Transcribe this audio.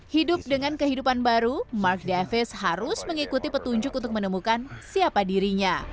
hidup dengan kehidupan baru mark davis harus mengikuti petunjuk untuk menemukan siapa dirinya